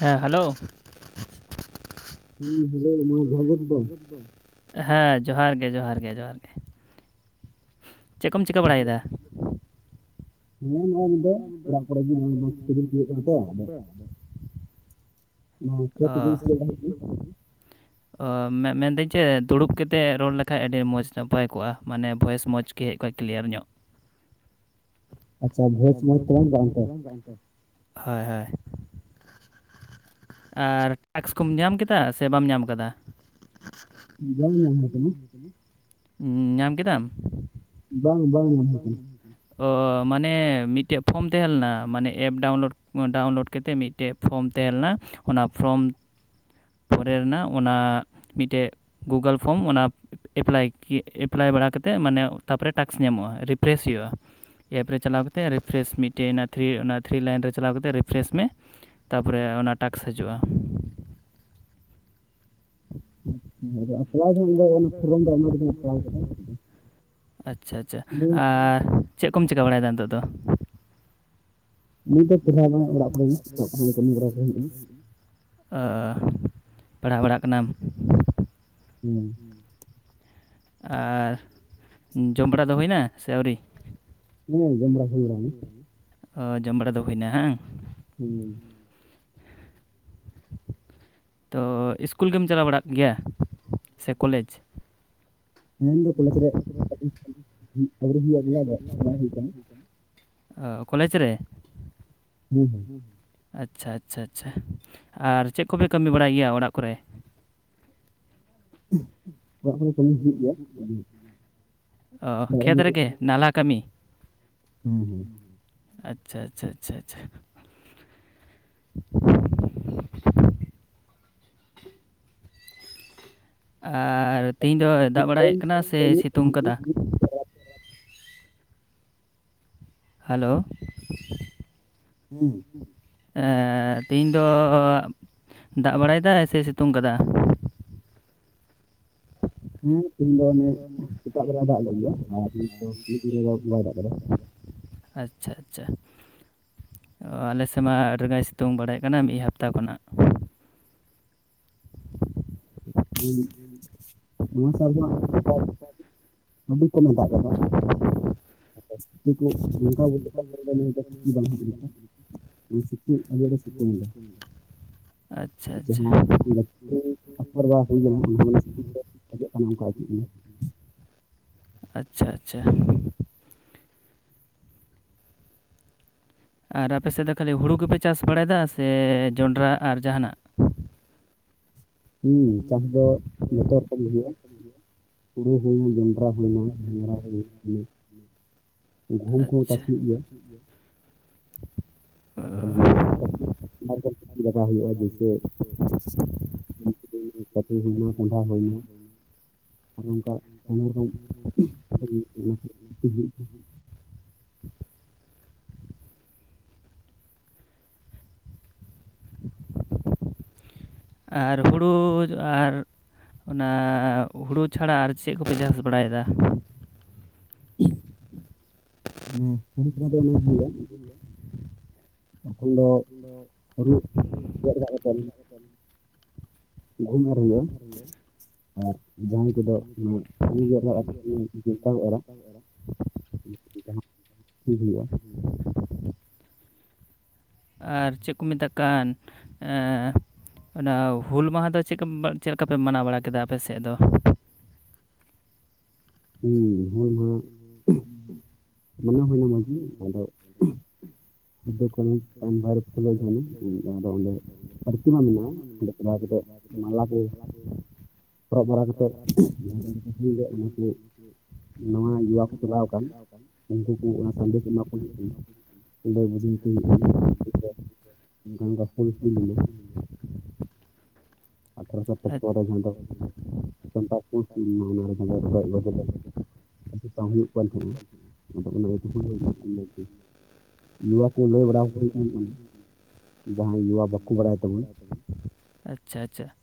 ᱦᱮᱸ ᱦᱮᱞᱳ [inaudible] [inaudible] ᱦᱮᱸ ᱡᱚᱦᱟᱨ ᱜᱮ ᱡᱚᱦᱟᱨ ᱜᱮ ᱡᱚᱦᱟᱨ ᱜᱮ ᱪᱮᱫ ᱠᱚᱢ ᱪᱤᱠᱟᱹ ᱵᱟᱲᱟᱭᱮᱫᱟ ᱦᱮᱸ ᱱᱚᱜ-ᱚᱭ ᱱᱤ ᱫᱚ ᱚᱲᱟᱜ ᱠᱚᱨᱮᱜ ᱜᱮ [inaudible] ᱚ [inaudible] ᱚ ᱢᱮᱱ ᱫᱟᱹᱧ ᱪᱮᱫ ᱫᱩᱲᱩᱵ ᱠᱟᱛᱮᱫ ᱨᱚᱲ ᱞᱮᱠᱷᱟᱡ ᱟᱹᱰᱤ ᱢᱚᱡᱽ ᱱᱟᱯᱟᱭ ᱠᱚᱜᱼᱟ ᱢᱟᱱᱮ ᱵᱷᱚᱭᱮᱥ ᱢᱚᱡᱽ ᱾ ᱠᱮᱡ ᱠᱚ ᱠᱞᱤᱭᱟᱨ ᱧᱚᱜ [inaudible] ᱦᱳᱭ ᱦᱳᱭ ᱟᱨ ᱴᱮᱠᱥ ᱠᱚᱢ ᱧᱟᱢ ᱠᱮᱫᱟ ᱥᱮ ᱵᱟᱢ ᱧᱟᱢ ᱠᱟᱫᱟ [inaudible] [unintelligible] ᱧᱟᱢ ᱠᱮᱫᱟᱢ ᱵᱟᱝ ᱵᱟᱝ ᱢᱚᱱᱮ ᱦᱩᱭ ᱠᱟᱱᱟ, ᱚ ᱢᱟᱱᱮ ᱢᱤᱫᱴᱮᱡ ᱯᱷᱚᱨᱚᱢ ᱛᱟᱦᱮᱸ ᱞᱮᱱᱟ ᱢᱟᱱᱮ ᱮᱯ ᱰᱟᱣᱩᱱᱞᱳᱰ ᱰᱟᱣᱩᱱᱞᱳᱰ ᱠᱟᱛᱮᱫ ᱢᱤᱫᱴᱮᱡ ᱯᱷᱨᱚᱢ ᱛᱟᱦᱮᱸ ᱞᱮᱱᱟ ᱚᱱᱟ ᱯᱷᱨᱚᱢ ᱯᱚᱨᱮ ᱨᱮᱱᱟᱜ ᱚᱱᱟ ᱢᱤᱫᱴᱮᱡ ᱜᱩᱜᱩᱞ ᱯᱷᱨᱚᱢ ᱚᱱᱟ, ᱮᱯᱞᱟᱭ ᱮᱯᱞᱟᱭ ᱵᱟᱲᱟ ᱠᱟᱛᱮᱫ ᱢᱟᱱᱮ ᱛᱟᱨᱯᱚᱨᱮ ᱴᱟᱠᱥ ᱧᱟᱢᱚᱜᱼᱟ ᱨᱤᱯᱨᱮᱥ ᱦᱩᱭᱩᱜᱼᱟ, ᱮᱯ ᱨᱮ ᱪᱟᱞᱟᱣ ᱠᱟᱛᱮᱜ ᱨᱤᱯᱷᱨᱮᱥ ᱢᱤᱫᱴᱮᱡ ᱛᱷᱨᱤ ᱚᱱᱟ ᱛᱷᱨᱤ ᱞᱟᱭᱤᱱ ᱨᱮ ᱪᱟᱞᱟᱣ ᱠᱟᱛᱮ ᱨᱤᱯᱷᱨᱮᱥ ᱢᱮ, ᱛᱟᱯᱚᱨᱮ ᱚᱱᱟ ᱴᱟᱠᱥ ᱦᱤᱡᱩᱜᱼᱟ [inaudible] [inaudible] ᱟᱪᱪᱷᱟ ᱟᱪᱪᱷᱟ ᱟᱨ ᱪᱮᱫ ᱠᱚᱢ ᱪᱤᱠᱟᱹ ᱵᱟᱲᱟᱭᱮᱫᱟ ᱱᱤᱛᱚᱜ ᱫᱚ, ᱱᱤᱛ ᱫᱚ ᱯᱮᱲᱦᱟ ᱱᱟᱣ ᱚᱲᱟᱜ ᱠᱚᱨᱮ ᱜᱮ ᱚᱲᱟᱜ ᱠᱚᱨᱮ ᱠᱟᱹᱢᱤ ᱵᱟᱲᱟ ᱠᱚ ᱦᱩᱭᱩᱜᱼᱟ ᱦᱮ ᱯᱟᱲᱦᱟᱣ ᱵᱟᱲᱟᱜ ᱠᱟᱱᱟᱢ ᱦᱩᱸ ᱦᱩᱸ ᱟᱨ ᱡᱚᱢᱵᱟᱲᱟ ᱫᱚ ᱦᱩᱭᱱᱟ ᱥᱮ ᱟᱹᱣᱨᱤ ᱦᱩ ᱡᱚᱢᱵᱟᱲᱟ ᱦᱩᱭᱱᱟ ᱚ ᱡᱚᱢ ᱵᱟᱲᱟ ᱫᱚ ᱦᱩᱭᱱᱟ ᱦᱟᱝ ᱦᱩᱸ ᱛᱚ ᱤᱥᱠᱩᱞ ᱜᱮᱢ ᱪᱟᱞᱟᱣ ᱵᱟᱲᱟᱜ ᱜᱮᱭᱟ ᱥᱮ ᱠᱚᱞᱮᱡᱽ ᱦᱮᱸ ᱤᱧᱫᱚ ᱠᱚᱞᱮᱡᱽ ᱨᱮ ᱟᱹᱨᱤ ᱦᱩᱭᱩᱜ ᱜᱮᱭᱟ ᱥᱟᱯᱲᱟᱣ ᱦᱩᱭ ᱠᱟᱱᱟ ᱚ ᱠᱚᱞᱮᱡᱽ ᱨᱮ ᱦᱩᱸ ᱦᱩ ᱟᱪᱪᱷᱟ ᱟᱪᱪᱷᱟ ᱟᱪᱪᱷᱟ ᱟᱨ ᱪᱮᱫ ᱠᱚᱯᱮ ᱠᱟᱹᱢᱤ ᱵᱟᱲᱟᱭ ᱜᱮᱭᱟ ᱚᱲᱟᱜ ᱠᱚᱨᱮ [inaudible] ᱚᱲᱟᱜ ᱠᱚᱨᱮ ᱠᱟᱹᱢᱤ ᱦᱩᱭᱩᱜ ᱜᱮᱭᱟ, ᱚ ᱠᱷᱮᱛ ᱨᱮᱜᱮ, ᱱᱟᱞᱦᱟ ᱠᱟᱹᱢᱤ ᱟᱪᱪᱷᱟ ᱪᱪᱪᱷᱟ ᱪᱷᱟ ᱪᱷᱟ, [inaudible] ᱟᱨ ᱛᱤᱦᱤᱧ ᱫᱚᱭ ᱫᱟᱜ ᱵᱟᱲᱟᱭᱮᱫ ᱠᱟᱱᱟ ᱥᱮ ᱥᱤᱛᱩᱝ ᱠᱟᱫᱟ [inaudible] ᱦᱮᱞᱳ ᱦᱩᱸ ᱮᱸ ᱛᱤᱦᱤᱧ ᱫᱚ ᱫᱟᱜ ᱵᱟᱲᱟᱭᱮᱫᱟᱭ ᱥᱮ ᱥᱤᱛᱩᱝ ᱠᱟᱫᱟ ᱦᱮᱸ ᱛᱮᱦᱮᱧ ᱫᱚ ᱚᱱᱮ ᱥᱮᱛᱟᱜ ᱵᱮᱲᱟ ᱫᱟᱜ ᱞᱮᱫ ᱜᱮᱭᱟ ᱟᱨ ᱱᱤᱛ ᱫᱚ ᱫᱤᱱ ᱨᱮᱫᱚ ᱵᱟᱭ ᱫᱟᱜ ᱟᱠᱟᱫᱟ ᱾ ᱟᱪᱷᱟ ᱟᱪᱷᱟ ᱚ ᱟᱞᱮᱥᱮᱫ ᱢᱟ ᱨᱟᱸᱜᱟᱭ ᱥᱤᱛᱩᱝ ᱵᱟᱲᱟᱭ ᱠᱟᱱᱟ ᱢᱤᱫ ᱦᱟᱯᱛᱟ ᱠᱷᱚᱱᱟᱜ᱾ ᱮᱸ ᱱᱚᱣᱟ [unintelligible] ᱟᱹᱰᱤ ᱠᱷᱚᱱ ᱜᱮ ᱫᱟᱜ ᱠᱟᱫᱟ᱾ [unintelligible] [unintelligible] ᱟᱪᱪᱷᱟ ᱟᱪᱪᱷᱟ [unintelligible] [unintelligible] ᱟᱪᱪᱷᱟ ᱟᱪᱪᱷᱟ ᱟᱨ ᱟᱯᱮ ᱥᱮᱫ ᱫᱚ ᱠᱷᱟᱹᱞᱤ ᱦᱳᱲᱳ ᱜᱮᱯᱮ ᱪᱟᱥ ᱵᱟᱲᱟᱭᱮᱫᱟ ᱥᱮ ᱡᱚᱱᱰᱨᱟ ᱟᱨ ᱡᱟᱦᱟᱸᱱᱟᱜ? ᱦᱮᱸ ᱪᱟᱥ ᱫᱚ ᱡᱚᱛᱚ ᱨᱚᱠᱚᱢ ᱦᱩᱭᱩᱜᱼᱟ᱾ ᱦᱳᱲᱳ ᱦᱩᱭᱱᱟ ᱡᱚᱸᱰᱨᱟ ᱦᱩᱭᱱᱟ ᱜᱷᱟᱝᱨᱟ ᱦᱩᱭ ᱮ-ᱱᱟ᱾ ᱟᱪᱪᱷᱟ ᱛᱟᱨ ᱢᱟᱱᱮ [unintelligible] ᱦᱩᱭᱩᱜ-ᱟ ᱡᱮ ᱥᱮ [unintelligible] ᱦᱩᱭᱮᱱᱟ ᱠᱚᱸᱰᱷᱟ ᱦᱩᱭᱮᱱᱟ᱾ ᱟᱨ ᱝᱠᱟ ᱦᱢᱨᱚᱢ ᱚᱱᱟ ᱠᱷ ᱦᱩᱭᱩᱜᱼᱟᱹ [unintelligible] ᱟᱨ ᱦᱩᱲᱩᱻ ᱟᱨᱻ ᱚᱱᱟ ᱦᱩᱲᱩ ᱪᱷᱟᱲᱟ ᱟᱨ ᱪᱮᱫ ᱠᱚᱯᱮ ᱪᱟᱥ ᱵᱟᱲᱟᱭᱮᱫᱟ? [unintelligible] ᱢᱟᱱᱮ ᱦ ᱫᱚ ᱚᱱᱟᱜᱮ ᱦᱩᱭᱩᱜᱼᱟ ᱛᱚᱠᱷᱚᱱ ᱫᱚ ᱦᱩᱲᱩ ᱠᱟᱛᱮ [unintelligible] ᱜᱩᱦᱩᱢ ᱮᱨ ᱦᱩᱭᱩᱜᱼᱟ [unintelligible] ᱦᱮ [inaudible] ᱟᱨ ᱡᱟᱦᱟᱸᱭ ᱠᱚᱫᱚ ᱚᱱᱟ ᱠᱩᱲ ᱜᱮᱫ ᱨᱮ [unintelligible] ᱡᱠᱟᱟᱜ ᱦᱩᱭᱩᱜᱼᱟ [unintelligible] ᱟᱨ ᱪᱮᱫ ᱠᱚ ᱢᱮᱛᱟᱜ ᱠᱟᱱ ᱮᱸᱻ ᱚᱱᱟ ᱦᱩᱞ ᱢᱟᱦᱟ ᱫᱚ ᱪᱮᱫ ᱪᱮᱫ ᱞᱮᱠᱟ ᱯᱮ ᱢᱟᱱᱟᱣ ᱵᱟᱲᱟ ᱠᱮᱫᱟ ᱟᱯᱮ ᱥᱮᱫ ᱫᱚ? ᱦᱩᱞ ᱢᱟᱦᱟ ᱢᱟᱱᱟᱣ ᱦᱩᱭᱱᱟ ᱢᱟᱜᱮ ᱟᱫᱚ ᱥᱤᱫᱩ ᱠᱟᱹᱱᱦᱩ ᱪᱟᱸᱫ ᱵᱷᱟᱭᱨᱚᱵ ᱯᱷᱩᱞ ᱡᱷᱟᱱᱚ ᱚᱱᱟ ᱫᱚᱦᱚᱞᱮ [unintelligible] ᱯᱨᱚᱛᱤᱢᱟ ᱢᱮᱱᱟᱜ-ᱟ ᱚᱸᱰᱮ ᱴᱚᱞᱟᱣ ᱠᱟᱛᱮᱫ ᱢᱟᱞᱟ ᱠᱚ [unintelligible] ᱦᱚᱨᱚᱜ ᱵᱟᱲᱟ ᱠᱟᱛᱮᱫ ᱡᱟᱦᱟᱸ ᱚᱱᱟ ᱠᱚ [unintelligible] ᱱᱟᱣᱟ ᱩᱣᱟ ᱠᱚ ᱪᱟᱞᱟᱣ ᱟᱠᱟᱱ ᱩᱱᱠᱩ ᱠᱚ ᱚᱱᱟ ᱥᱟᱸᱫᱮᱥ ᱮᱢᱟ ᱠᱚ ᱦᱩᱭᱩᱜ ᱠᱟᱱᱟ [unintelligible] ᱮᱞ ᱵᱩᱡᱤᱱ ᱦᱞ ᱱᱚᱝᱠᱟ ᱱᱚᱝᱠᱟ ᱦᱩᱭ ᱦᱩᱭ ᱞᱮᱱᱟ [unintelligible] ᱟᱴᱷᱮᱨᱚ ᱥᱚ ᱯᱩᱱ ᱨᱮ ᱡᱟᱦᱟᱸ ᱫᱚ ᱥᱛ ᱯᱩᱥᱱᱟ ᱚᱱᱟᱨᱮ ᱡᱟᱦᱟᱸ ᱫᱚ ᱨᱚᱰᱚᱡ ᱜᱚᱫᱮ [unintelligible] ᱪᱛ ᱦᱩᱭᱩᱜ ᱠᱟᱱ ᱛᱟᱦᱮᱸᱱᱟ ᱟᱫᱚ ᱚᱱᱟ ᱤᱭᱟᱹ [unintelligible] ᱱᱚᱣᱟ ᱠᱚ ᱞᱟᱹᱭ ᱵᱟᱲᱟ ᱠᱚ ᱦᱩᱭᱩᱜ ᱦᱩᱭᱩᱜ ᱡᱟᱦᱟᱸᱭ ᱱᱚᱣᱟ ᱵᱟᱠᱚ ᱵᱟᱲᱟᱭ ᱛᱟᱵᱚᱱ [unintelligible] ᱟᱪᱪᱷᱟ ᱟᱪᱪᱷᱟ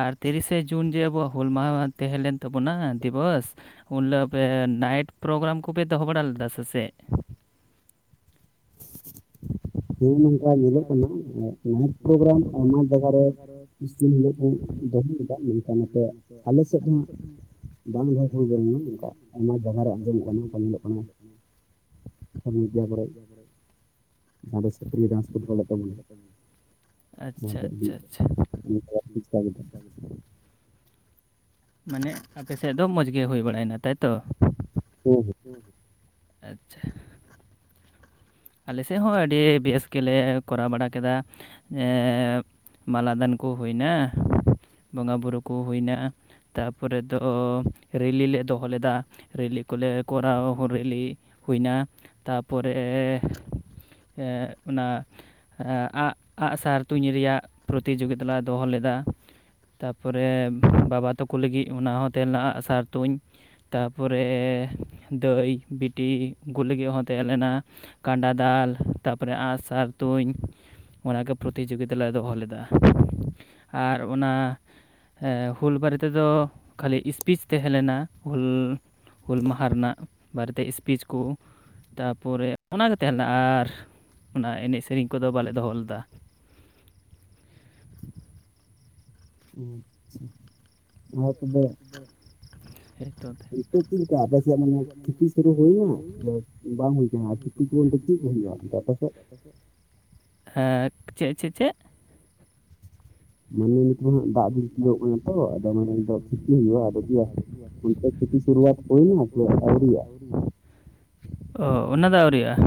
ᱟᱨ ᱛᱤᱨᱤᱥᱮ ᱡᱩᱱ ᱡᱮ ᱟᱵᱚᱣᱟᱜ ᱦᱩᱞ ᱢᱟᱦᱟ ᱛᱮᱦᱮ ᱞᱮᱱ ᱛᱟᱵᱚᱱᱟ ᱫᱤᱵᱚᱥ ᱦᱤᱞᱳᱜ ᱯᱮ ᱱᱟᱭᱤᱴ ᱯᱨᱳᱜᱨᱟᱢ ᱠᱚᱯᱮ ᱫᱚᱦᱚ ᱵᱟᱲᱟ ᱞᱮᱫᱟ ᱥᱮ ᱪᱮᱫ? ᱦᱮᱸ ᱱᱚᱝᱠᱟ ᱧᱮᱞᱚᱜ ᱠᱟᱱᱟ ᱱᱟᱭᱤᱴ ᱯᱨᱳᱜᱨᱟᱢ ᱟᱭᱢᱟ ᱡᱟᱭᱜᱟ ᱨᱮ [unintelligible] ᱤᱥᱤᱱ ᱦᱤᱞᱳᱜ ᱵᱚᱱ ᱫᱚᱦᱚ ᱞᱮᱫᱟ ᱢᱮᱱᱠᱷᱟᱱ ᱱᱯᱮ ᱟᱞᱮ ᱥᱮᱫ ᱫᱚ ᱦᱟᱸᱜ [unintelligible] ᱵᱟᱝ ᱫᱚ ᱦᱲᱵ ᱚᱱᱠᱟ ᱟᱭᱢᱟ ᱡᱟᱭᱜᱟ ᱨᱮ ᱟᱸᱡᱚᱢᱚᱜ ᱠᱟᱱᱟ ᱚᱱᱠᱟ ᱧᱮᱞᱚᱜ ᱠᱟᱱᱟ [unintelligible] ᱥᱚᱢᱟᱹᱭᱤᱫᱟᱭ [unintelligible] ᱡᱟᱦᱟᱸ ᱫᱚ ᱥᱩᱠᱨᱤ ᱰᱟᱱᱥᱯᱴ ᱜᱚᱞ ᱛᱟᱵᱚᱱᱟ ᱚᱱᱟ ᱫᱚ ᱟᱹᱰᱤ [unintelligible] ᱴᱷᱤᱠ [unintelligible] ᱢᱟᱱᱮ ᱟᱯᱮ ᱥᱮᱫ ᱫᱚ ᱢᱚᱡᱽ ᱜᱮ ᱦᱩᱭ ᱵᱟᱲᱟᱭ ᱱᱟ ᱛᱟᱭᱛᱚ ᱦᱮᱸ [unintelligible] ᱩᱜ ᱟᱪᱪᱷᱟ ᱟᱞᱮ ᱥᱮᱜ ᱦᱚᱸ ᱟᱹᱰᱤ ᱵᱮᱥ ᱜᱮᱞᱮ ᱠᱚᱨᱟᱣ ᱵᱟᱲᱟ ᱠᱮᱫᱟ ᱮᱻ ᱯ ᱢᱟᱞᱟ ᱫᱟᱱ ᱠᱚ ᱦᱩᱭᱱᱟ ᱵᱚᱸᱜᱟ ᱵᱩᱨᱩ ᱠᱚ ᱦᱩᱭ ᱱᱟ ᱛᱟᱯᱚᱨᱮ ᱫᱚ ᱨᱮᱞᱤ ᱞᱮ ᱫᱚᱦᱚ ᱞᱮᱫᱟ ᱨᱤᱞᱤ ᱠᱚᱞᱮ ᱠᱚᱨᱟᱣ ᱨᱮᱞᱤᱼᱼ ᱦᱩᱭᱱᱟ ᱛᱟᱯᱚᱨᱮᱻ ᱦᱮᱸ ᱚᱱᱟᱼᱼ ᱟᱸᱜ ᱟᱸᱜᱥᱟᱨ ᱛᱩᱧ ᱨᱮᱭᱟᱜ ᱯᱨᱚᱛᱤᱡᱳᱜᱤᱛᱟ ᱞᱮ ᱫᱚᱦᱚ ᱞᱮᱫᱟ᱾ ᱛᱟᱯᱚᱨᱮ ᱵᱟᱵᱟ ᱛᱟᱠᱚ ᱞᱟᱹᱜᱤᱫ ᱚᱱᱟ ᱦᱚᱸ ᱛᱟᱦᱮᱸ ᱞᱮᱱᱟ ᱟᱸᱜ ᱥᱟᱨ ᱛᱩᱧ ᱛᱟᱨᱯᱚᱨᱮ ᱫᱟᱹᱭ ᱵᱤᱴᱤ ᱩᱱᱠᱩ ᱞᱟᱹᱜᱤᱫ ᱦᱚᱸ ᱛᱟᱦᱮᱸ ᱞᱮᱱᱟ᱾ ᱠᱟᱸᱰᱟ ᱫᱟᱞ ᱛᱟᱯᱚᱨᱮ ᱟᱸᱜᱥᱟᱨ ᱛᱩᱧ᱾ ᱚᱱᱟ ᱜᱮ ᱯᱨᱚᱛᱤᱡᱳᱜᱤᱛᱟ ᱞᱮ ᱫᱚᱦᱚ ᱞᱮᱫᱟ ᱟᱨ ᱚᱱᱟ ᱦᱮᱸ ᱦᱩᱞ ᱵᱟᱨᱮ ᱛᱮᱫᱚ ᱠᱷᱟᱹᱞᱤ ᱤᱥᱯᱤᱪ ᱛᱟᱦᱮᱸ ᱞᱮᱱᱟ ᱦᱩᱞ ᱦᱩᱞ ᱢᱟᱦᱟ ᱨᱮᱱᱟᱜ ᱵᱟᱨᱮ ᱛᱮ ᱤᱥᱯᱤᱪ ᱠᱚ ᱛᱟᱯᱚᱨᱮ ᱚᱱᱟᱜᱮ ᱛᱟᱦᱮᱸᱞᱮᱱᱟ ᱟᱨ ᱚᱱᱟ ᱮᱱᱮᱡ ᱥᱮᱨᱮᱧ ᱠᱚᱫᱚ ᱵᱟᱞᱮ ᱫᱚᱦᱚ ᱞᱮᱫᱟ᱾ ᱟᱪᱪᱷᱟ ᱟᱨ ᱛᱚᱵᱮ ᱼᱼ ᱦᱮᱡ ᱛᱚ ᱛᱟᱦᱮᱱ [unintelligible] ᱟᱨ ᱠᱷᱮᱛᱤ ᱫᱤᱱ ᱫᱚ ᱪᱮᱫ ᱠᱚ ᱦᱩᱭᱩᱜᱼᱟ ᱟᱯᱮ ᱥᱮᱫ? [unintelligible] ᱦᱮᱸ ᱪᱮᱫ ᱪᱮᱫ ᱪᱮᱫ ᱢᱟᱱᱮ ᱱᱤᱛᱚᱜ ᱦᱟᱸᱜ ᱫᱟᱜ ᱫᱤᱱ ᱛᱤᱭᱳᱜ ᱠᱟᱱᱟ ᱛᱚ ᱟᱫᱚ ᱢᱟᱱᱮ ᱱᱤᱛ ᱠᱷᱤᱠᱤ ᱦᱩᱭᱩᱜᱼᱟ᱾ ᱟᱫᱚ ᱪᱮᱫ ᱚᱱᱛᱮ ᱠᱷᱮᱛᱤ ᱥᱩᱨᱣᱟᱛ ᱦᱩᱭᱱᱟ ᱥᱮ ᱟᱹᱣᱨᱤᱭᱟᱜᱼᱟ ᱾ ᱚ ᱚᱱᱟ ᱫᱚ ᱟᱹᱣᱨᱤᱭᱟᱜᱼᱟ᱾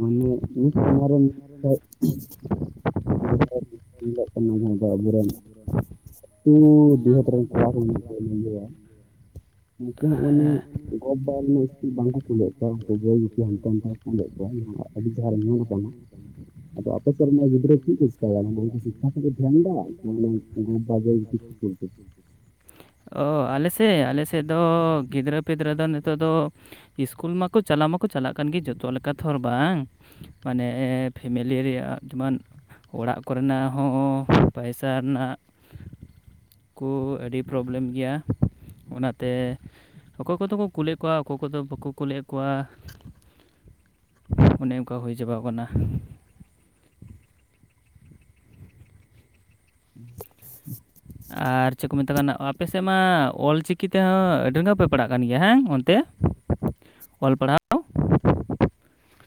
ᱢᱟᱱᱮ ᱢᱤᱫ ᱥᱨᱨᱢᱟ ᱨᱮ ᱢᱤᱫᱴᱮᱡ [unintelligible] ᱟᱜ ᱠᱟᱱᱟ ᱡᱟᱦᱟᱸ ᱫᱚ ᱟᱵᱚᱨᱮᱱ ᱩ ᱫᱤᱦᱟᱹᱛ ᱨᱮᱱ ᱠᱚᱲᱟ ᱠᱚ ᱠᱚᱭᱟ ᱩᱱᱠᱩ [unintelligible] ᱢᱟᱱᱮ ᱜᱚᱯ [unintelligible] ᱤᱥᱠᱩᱞ ᱵᱟᱝᱠᱚ ᱠᱩᱞᱮᱫ ᱠᱚᱣᱟ᱾ ᱩᱱᱠᱩ ᱜᱮᱦᱟᱱᱛᱮ ᱱᱟᱛᱮ ᱠᱚ ᱠᱩᱞᱟᱹᱭᱮᱫ ᱟᱹᱰᱤ ᱡᱟᱜᱟ ᱨᱮ ᱧᱮᱞ ᱟᱠᱟᱱᱟ᱾ ᱟᱫᱚ ᱟᱯᱮ ᱥᱮᱫ ᱨᱮᱱ ᱜᱤᱫᱽᱨᱟᱹ ᱪᱮᱫ ᱠᱚ ᱪᱮᱠᱟᱭᱟ᱾ ᱩᱱᱠᱩ ᱥᱤᱠᱠᱷᱟ ᱠᱚᱠᱚ ᱫᱷᱮᱭᱟᱱ ᱫᱟ [unintelligible] [unintelligible] ᱚ ᱟᱞᱮᱥᱮᱫ ᱟᱞᱮᱥᱮᱫ ᱫᱚ ᱜᱤᱫᱽᱨᱟᱹ ᱯᱤᱫᱽᱨᱟᱹ ᱫᱚ ᱱᱤᱛᱚᱜ ᱫᱚ ᱤᱥᱠᱩᱞ ᱢᱟᱠᱚ ᱪᱟᱞᱟᱣ ᱢᱟᱠᱚ ᱪᱟᱞᱟᱜ ᱠᱟᱱ ᱜᱮ ᱡᱚᱛᱚᱣᱟᱜ ᱞᱮᱠᱟ ᱛᱷᱚᱲ ᱵᱟᱝ ᱢᱟᱱᱮ ᱯᱷᱮᱢᱮᱞᱤ ᱨᱮᱭᱟᱜ ᱟᱨ ᱢᱟᱱ ᱚᱲᱟᱜ ᱠᱚᱨᱮᱱᱟᱜ ᱦᱚᱸ ᱯᱟᱭᱥᱟ ᱨᱮᱱᱟᱜ ᱠᱚ ᱟᱹᱰᱤ ᱯᱨᱚᱵᱞᱮᱢ ᱜᱮᱭᱟ᱾ ᱚᱱᱟᱛᱮ᱾᱾ ᱚᱠᱚᱭ ᱠᱚᱫᱚ ᱠᱚ ᱠᱩᱞᱮᱫ ᱠᱚᱣᱟ, ᱚᱠᱚᱭ ᱠᱚᱫᱚ ᱵᱟᱠᱚ ᱠᱩᱞᱮᱫ ᱠᱚᱣᱟ᱾ ᱚᱱᱮ ᱚᱱᱠᱟ ᱦᱩᱭ ᱪᱟᱵᱟᱣ ᱟᱠᱟᱱᱟ᱾ ᱟᱨ ᱪᱮᱫ ᱠᱚ ᱢᱮᱛᱟᱜ ᱠᱟᱱᱟ ᱟᱯᱮ ᱥᱮᱫ ᱢᱟ ᱚᱞᱪᱤᱠᱤ ᱛᱮᱦᱚᱸ ᱟᱹᱰᱤ [unintelligible] ᱯᱮ ᱯᱟᱲᱟᱜ ᱠᱟᱱ ᱜᱮᱭᱟ ᱦᱮᱸ ᱚᱱᱛᱮ᱾ ᱚᱞ ᱯᱟᱲᱟᱣ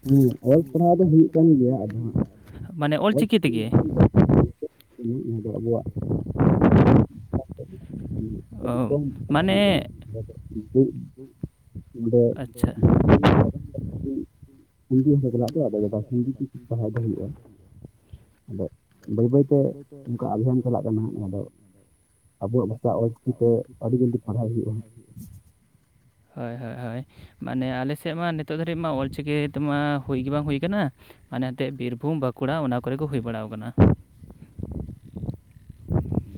ᱦᱮᱸ ᱚᱞ ᱯᱟᱲᱦᱟᱣ ᱫᱚ ᱦᱩᱭᱩᱜ ᱠᱟᱱ ᱜᱮᱭᱟ᱾ ᱟᱫᱚ ᱦᱟᱸᱜ ᱚᱞ ᱪᱤᱠᱤ ᱠᱤᱯᱤ ᱛᱮᱫᱚ ᱱᱚᱣᱟ ᱫᱚ ᱟᱵᱚᱣᱟᱜ [unintelligible] ᱟᱹᱰᱤ ᱠᱚᱢ ᱯᱟᱲᱦᱟᱣ ᱦᱩᱭᱩᱜ ᱠᱟᱱᱟ᱾ [unintelligible] ᱱᱚᱰᱮ ᱡᱷᱟᱲᱠᱷᱚᱸᱰ [unintelligible] ᱦᱤᱱᱫᱤ ᱵᱷᱟᱥᱟ ᱪᱟᱞᱟᱜ ᱛᱮᱫᱚ ᱦᱤᱱᱫᱤ ᱛᱮ ᱯᱟᱲᱦᱟᱭ ᱫᱚ ᱦᱩᱭᱩᱜᱼᱟ᱾ ᱟᱫᱚ ᱵᱟᱹᱭ ᱵᱟᱹᱭ ᱛᱮ ᱵᱟᱹᱭ ᱵᱟᱹᱭᱛᱮ ᱚᱱᱠᱟ ᱟᱞᱮ ᱦᱚᱸᱢ ᱪᱟᱞᱟᱜ ᱠᱟᱱᱟ᱾ ᱚᱱᱟ ᱫᱚ ᱟᱵᱚᱣᱟᱜ ᱵᱷᱟᱥᱟ ᱚᱞᱪᱤᱠᱤ ᱛᱮ ᱟᱹᱰᱤ ᱫᱤᱱ ᱟᱹᱰᱤ ᱯᱟᱲᱦᱟᱣ ᱦᱩᱭᱩᱜᱼᱟ᱾ ᱦᱳᱭ ᱦᱳᱭ ᱦᱳᱭ ᱢᱟᱱᱮ ᱟᱞᱮᱥᱮᱫ ᱢᱟ ᱱᱤᱛᱚᱜ ᱫᱷᱟᱹᱨᱤᱡ ᱢᱟ ᱚᱞᱪᱤᱠᱤ ᱛᱮᱢᱟ ᱦᱩᱭᱜᱮ ᱵᱟᱝ ᱦᱩᱭ ᱟᱠᱟᱱᱟ᱾ ᱢᱟᱱᱮ ᱮᱱᱛᱮᱜ ᱵᱤᱨᱵᱷᱩᱢ ᱵᱟᱸᱠᱩᱲᱟ ᱚᱱᱟ ᱠᱚᱨᱮ ᱠᱚ ᱦᱩᱭ ᱵᱟᱲᱟ ᱟᱠᱟᱱᱟ᱾ ᱦᱮᱸ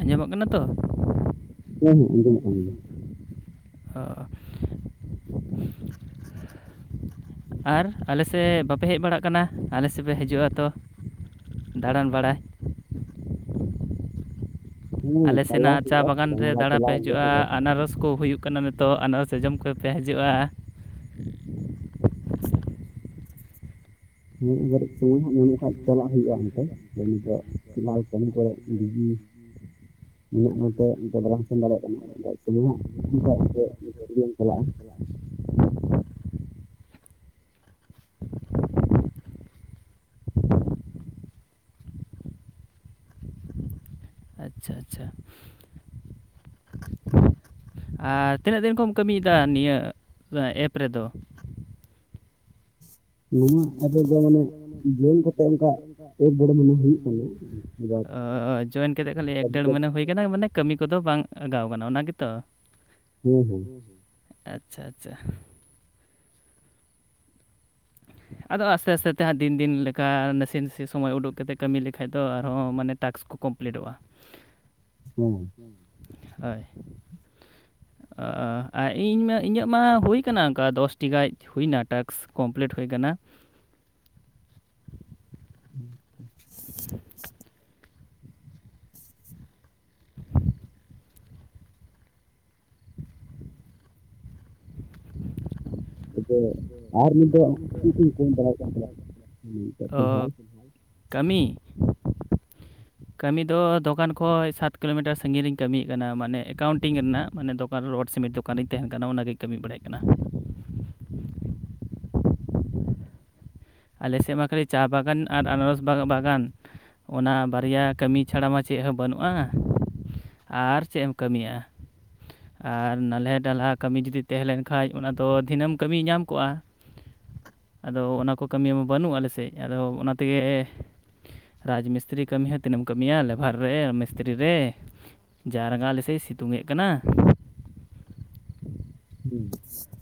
ᱟᱸᱡᱚᱢᱚᱜ ᱠᱟᱱᱟ ᱛᱚ ᱦᱮᱸ ᱦᱮᱸ ᱟᱸᱡᱚᱢᱚᱜ ᱠᱟᱱ ᱜᱮᱭᱟ᱾ [unintelligible] ᱟᱨ ᱟᱞᱮ ᱥᱮᱫ ᱵᱟᱯᱮ ᱦᱮᱡ ᱵᱟᱲᱟᱜ ᱠᱟᱱᱟ᱾ ᱟᱞᱮ ᱥᱮᱫ ᱯᱮ ᱦᱤᱡᱩᱜᱼᱟ ᱛᱚ ᱫᱟᱬᱟᱱ ᱵᱟᱲᱟᱭ᱾ ᱟᱞᱮ ᱥᱮᱱᱟᱜ ᱪᱟ ᱵᱟᱜᱟᱱ ᱨᱮ ᱫᱟᱬᱟ ᱯᱮ ᱦᱤᱡᱩᱜᱼᱟ᱾ ᱟᱱᱟᱨᱚᱥ ᱠᱚ ᱦᱩᱭᱩᱜ ᱠᱟᱱᱟ ᱱᱤᱛᱚᱜ ᱟᱱᱟᱨᱚᱥ ᱡᱚᱢ ᱠᱚ ᱯᱮ ᱦᱤᱡᱩᱜᱼᱟ᱾ ᱢᱤᱫ ᱜᱷᱟᱨᱤᱡ ᱥᱚᱢᱚᱭ ᱦᱟᱸᱜ ᱧᱟᱢᱚᱜ ᱠᱷᱟᱱ ᱪᱟᱞᱟᱜ ᱦᱩᱭᱩᱜᱼᱟ᱾ ᱚᱱᱛᱮ [unintelligible] [unintelligible] ᱩᱱᱟᱹᱜ ᱚᱱᱟᱛᱮ ᱵᱟᱞᱟᱝ ᱥᱮᱱ ᱫᱟᱲᱮᱭᱟᱜ ᱠᱟᱱᱟ [unintelligible] ᱚᱱᱠᱟ ᱮᱱᱛᱮ ᱪᱮᱫ ᱜᱟᱹᱰᱤᱧ ᱪᱟᱞᱟᱜᱼᱟ᱾ ᱟᱪᱪᱷᱟ ᱟᱪᱪᱷᱟ ᱟᱨ ᱛᱤᱱᱟᱹᱜ ᱫᱤᱱ ᱠᱷᱚᱢ ᱠᱟᱹᱢᱤᱭᱮᱫᱟ ᱱᱤᱭᱟᱹ ᱮᱯ ᱨᱮᱫᱚ᱾ ᱱᱚᱣᱟ ᱮᱯ ᱨᱮᱫᱚ ᱢᱟᱱᱮ ᱡᱤᱭᱚᱱ ᱠᱟᱛᱮ ᱚᱱᱠᱟ ᱮᱠ ᱰᱮᱲ ᱢᱟᱭᱱᱟ ᱦᱩᱭᱩᱜ ᱠᱟᱱᱟ᱾ ᱚ ᱡᱚᱭᱮᱱ ᱠᱟᱛᱮ ᱠᱷᱟᱹᱞᱤ ᱮᱠ ᱰᱮᱲ ᱢᱟᱭᱱᱟ ᱦᱩᱭᱩᱜ ᱠᱟᱱᱟ ᱢᱟᱱᱮ ᱠᱟᱹᱢᱤ ᱠᱚᱫᱚ ᱵᱟᱝ ᱵᱷᱟᱜᱟᱣ ᱠᱟᱱᱟ ᱚᱱᱟ ᱜᱮᱛᱚ, ᱟᱪᱪᱷᱟ ᱟᱪᱪᱷᱟ ᱟᱫᱚ ᱟᱥᱛᱮ ᱟᱥᱛᱮ ᱛᱮ ᱦᱟᱸᱜ ᱫᱤᱱ ᱫᱤᱱ ᱞᱮᱠᱟ ᱱᱟᱥᱮ ᱱᱟᱥᱮ ᱥᱚᱢᱚᱭ ᱩᱰᱩᱠ ᱠᱟᱛᱮ ᱠᱟᱹᱢᱤ ᱞᱮᱠᱷᱟᱡ ᱫᱚ ᱟᱨᱦᱚᱸ ᱢᱟᱱᱮ ᱴᱟᱥᱠ ᱠᱚ ᱠᱚᱢᱯᱞᱤᱴᱚᱜᱼᱟ᱾ ᱦᱩᱸ ᱼᱼ ᱦᱳᱭ ᱼᱼ ᱟᱨ ᱤᱧᱢᱟ ᱤᱧᱟᱹᱜ ᱢᱟ ᱦᱩᱭ ᱠᱟᱱᱟ᱾ ᱚᱱᱠᱟ ᱫᱚᱥᱴᱤ ᱜᱟᱡ ᱦᱩᱭᱱᱟ ᱴᱟᱥ ᱠᱚᱢᱯᱞᱤᱴ ᱦᱩᱭ ᱟᱠᱟᱱᱟ᱾ [unintelligible] ᱛᱚᱵᱮ ᱟᱨ [unintelligible] ᱵᱟᱲᱟᱭ ᱠᱟᱱ [unintelligible] ᱯᱷᱤᱞᱦᱟᱞ ᱠᱟᱹᱢᱤ ᱼᱼ ᱠᱟᱹᱢᱤ ᱫᱚ ᱫᱚᱠᱟᱱ ᱠᱷᱚᱡ ᱥᱟᱛ ᱠᱤᱞᱳᱢᱤᱴᱟᱨ ᱥᱟᱹᱜᱤᱧ ᱨᱤᱧ ᱠᱟᱹᱢᱤᱭᱮᱫ ᱠᱟᱱᱟ ᱢᱟᱱᱮ ᱮᱠᱟᱣᱩᱱᱴᱤᱝ ᱨᱮᱱᱟᱜ ᱢᱟᱱᱮ ᱫᱚ ᱼᱼ ᱨᱚᱰ ᱥᱤᱢᱮᱱᱴ ᱫᱚᱠᱟᱱ ᱤᱧ ᱛᱟᱦᱮᱱ ᱠᱟᱱᱟ᱾ ᱚᱱᱟᱜᱤᱧ ᱠᱟᱹᱢᱤ ᱵᱟᱲᱟᱭᱮᱫ ᱠᱟᱱᱟ᱾ ᱟᱞᱮᱥᱮᱫ ᱢᱟ ᱪᱟ ᱵᱟᱜᱟᱱ ᱟᱨ ᱟᱱᱟᱨᱚᱥ ᱵᱟᱜᱟᱱ᱾ ᱚᱱᱟ ᱵᱟᱨᱭᱟ ᱠᱟᱹᱢᱤ ᱪᱷᱟᱲᱟ ᱢᱟ ᱪᱮᱫ ᱦᱚᱸᱵᱟᱹᱱᱩᱜᱼᱟ᱾ ᱟᱨ ᱪᱮᱫ ᱮᱢ ᱠᱟᱹᱢᱤᱭᱟ᱾ ᱟᱨ ᱱᱟᱞᱦᱮ ᱰᱟᱞᱦᱟ ᱠᱟᱹᱢᱤ ᱡᱩᱫᱤ ᱛᱟᱦᱮᱸ ᱞᱮᱱᱠᱷᱟᱱ ᱚᱱᱟ ᱫᱚ ᱫᱤᱱᱟᱹᱢ ᱠᱟᱹᱢᱤ ᱧᱟᱢ ᱠᱚᱜᱼᱟ᱾ ᱟᱫᱚ ᱚᱱᱟ ᱠᱚ ᱠᱟᱹᱢᱤ ᱢᱟ ᱵᱟᱹᱱᱩᱜᱼᱟ᱾ ᱟᱞᱮ ᱥᱮᱫ ᱟᱫᱚ ᱚᱱᱟ ᱛᱮᱜᱮ ᱨᱟᱡᱽ ᱢᱤᱥᱛᱤᱨᱤ ᱠᱟᱹᱢᱤ ᱦᱚᱸ ᱛᱤᱱᱟᱹᱜ ᱮᱢ ᱠᱟᱹᱢᱤᱭᱟ ᱞᱮᱵᱷᱟᱨ ᱨᱮ ᱢᱤᱥᱛᱨᱤ ᱨᱮ ᱡᱟ ᱨᱟᱸᱜᱟᱣ ᱟᱞᱮ ᱥᱮᱫ ᱥᱤᱛᱩᱝ ᱮᱫ ᱠᱟᱱᱟ᱾ [unintelligible]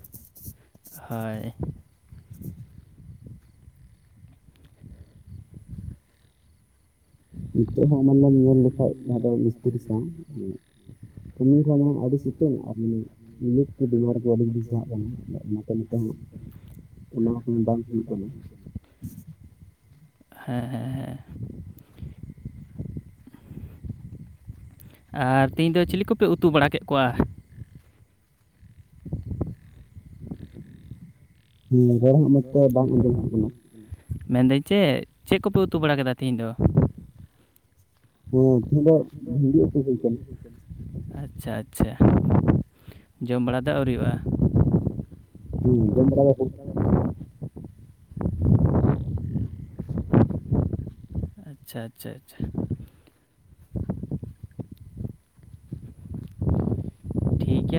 ᱦᱟᱭᱼᱼ ᱱᱤᱛᱚᱜ ᱦᱚᱸ ᱢᱟᱱᱮᱢ ᱧᱮᱞ ᱞᱮᱠᱷᱟᱱ ᱡᱟᱦᱟᱸ ᱫᱚ ᱢᱤᱥᱛᱤᱨᱤ ᱥᱟᱶ ᱦᱮᱸ ᱠᱟᱹᱢᱤ ᱠᱷᱟᱱ ᱟᱹᱰᱤ ᱥᱤᱛᱟᱹᱝ ᱟᱨ ᱠᱚ ᱵᱤᱢᱟᱨᱠᱚ ᱟᱹᱰᱤ ᱵᱩᱡᱷᱟᱹᱜ ᱠᱟᱱᱟ᱾ [unintelligible] [unintelligible] ᱚᱱᱟ ᱨᱚᱠᱚᱢ ᱵᱟᱝ ᱦᱩᱭᱩᱜ ᱠᱟᱱᱟ᱾ ᱦᱮᱸ ᱦᱮᱸ ᱦᱮᱸ ᱼᱼ ᱟᱨ ᱛᱤᱦᱤᱧ ᱫᱚ ᱪᱤᱞᱤ ᱠᱚᱯᱮ ᱩᱛᱩ ᱵᱟᱲᱟ ᱠᱮᱫ ᱠᱚᱣᱟ᱾ ᱨᱚᱲ ᱦᱚᱸ ᱢᱚᱸᱡᱽ ᱛᱮ ᱵᱟᱝ ᱟᱸᱡᱚᱢ ᱦᱤᱡᱩᱜ ᱠᱟᱱᱟ᱾ ᱢᱮᱱᱫᱟᱹᱧ ᱪᱮᱫ ᱪᱮᱫ ᱠᱚᱯᱮ ᱩᱛᱩ ᱵᱟᱲᱟ ᱠᱮᱫᱟ ᱛᱤᱦᱤᱧ ᱫᱚ᱾ ᱦᱮᱸ ᱛᱤᱦᱤᱧ ᱫᱚ ᱵᱷᱤᱱᱰᱤ ᱩᱛᱩ ᱦᱩᱭ ᱟᱠᱟᱱᱟ᱾ ᱟᱪᱪᱷᱟ ᱟᱪᱪᱷᱟ ᱡᱚᱢ ᱵᱟᱲᱟ ᱫᱚ ᱟᱹᱣᱨᱤᱣᱟᱜᱼᱟ᱾ ᱦᱩᱸ ᱡᱚᱢ ᱵᱟᱲᱟ [unintelligible] ᱟᱪᱪᱷᱟ ᱟᱪᱪᱷᱟ ᱟᱪᱪᱷᱟ ᱴᱷᱤᱠ ᱜᱮᱭᱟ᱾